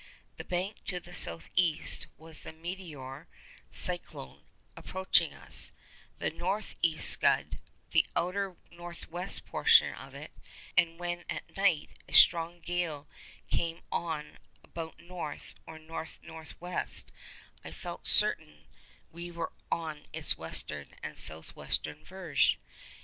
That bank to the south east was the meteor (cyclone) approaching us, the north east scud, the outer north west portion of it; and when at night a strong gale came on about north, or north north west, I felt certain we were on its western and south western verge.